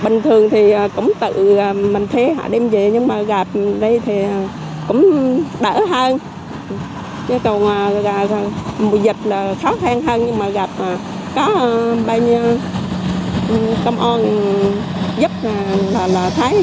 chứ còn mùa dịch là khó thanh thân nhưng mà gặp có bao nhiêu công an giúp là thấy dân cũng thấy ơn tâm